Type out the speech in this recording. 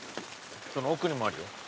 その奥にもあるよ。